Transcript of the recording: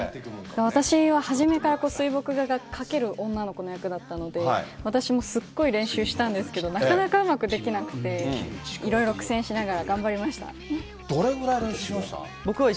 私は初めから水墨画が描ける女の子の役だったので、私もすっごい練習したんですけど、なかなかうまくできなくて、いろいろ苦戦しどれぐらい練習しました？